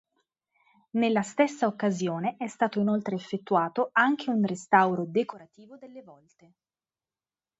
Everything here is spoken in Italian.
Nella stessa occasione è stato inoltre effettuato anche un restauro decorativo delle volte.